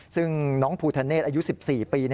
ซึ่งน้องภูทะเนศอายุ๑๔ปี